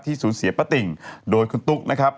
สูญเสียป้าติ่งโดยคุณตุ๊กนะครับ